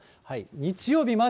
日曜日まで。